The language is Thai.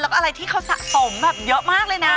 แล้วก็อะไรที่เขาสะสมแบบเยอะมากเลยนะ